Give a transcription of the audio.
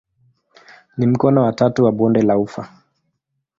Ni mkono wa tatu wa bonde la ufa.